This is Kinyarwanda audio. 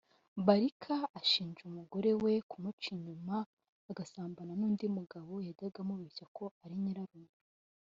Baliika ashinja umugore we kumuca inyuma agasambana n’undi mugabo yajyaga amubeshya ko ari nyirarume